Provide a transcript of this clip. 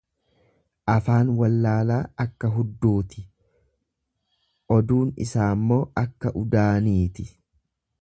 Afaan wallaalaa akka hudduuti, oduun isaammoo akka udaaniiti.